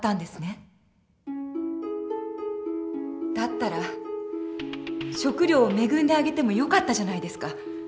だったら食料を恵んであげてもよかったじゃないですか？